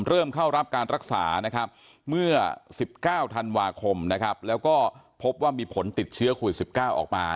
เริ่มเข้ารับการรักษานะครับเมื่อ๑๙ธันวาคมนะครับแล้วก็พบว่ามีผลติดเชื้อโควิด๑๙ออกมา